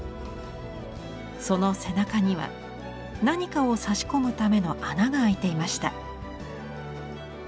その背中には何かを差し込むための穴が開いていました。